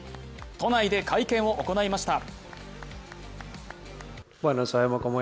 都内で会見を行いました。